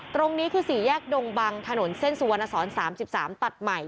ตรงนี้คือ๔แยกดงบังถนนเส้นสุวรรณสอน๓๓ตัดใหม่